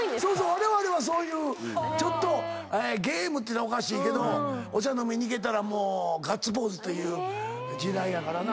⁉われわれはそういうちょっとゲームっていうたらおかしいけどお茶飲みに行けたらガッツポーズという時代やからな。